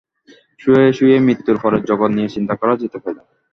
শুয়ে শুয়ে মৃত্যুর পরের জগৎ নিয়ে চিন্তা করা যেতে পারে।